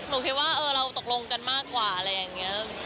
หนูคิดว่าเราตกลงกันมากกว่าอะไรอย่างนี้